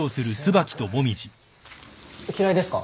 嫌いですか？